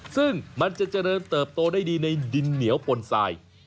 ซึ่งมันจะเจริญเติบโตได้ดีในดินเหนียวปนทราย